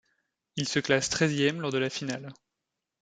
Il se classe treizième lors de la finale.